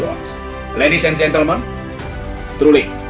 dalam cara bank indonesia bekerja dengan sangat keras